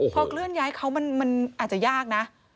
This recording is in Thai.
พอเคลื่อนย้ายเขามันอาจจะยากนะ